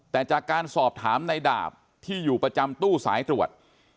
แต่จากการสอบถามในดาบที่อยู่ประจำตู้สายตรวจ